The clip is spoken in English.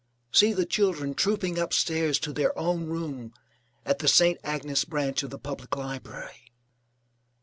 See the children trooping upstairs to their own room at the St. Agnes branch of the Public Library.